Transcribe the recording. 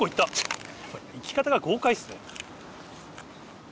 いき方が豪快ですね。